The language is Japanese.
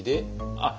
あっ！